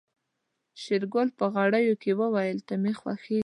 شېرګل په غريو کې وويل ته مې خوښيږې.